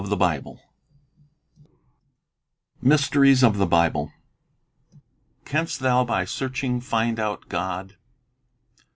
Sniii Mysteries of the Bible "CANST THOU BY SEARCHING FIND OUT GOD?"